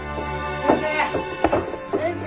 ・先生！